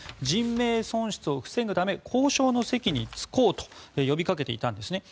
人命損失を防ぐため交渉の席に着こうと呼びかけていたんです。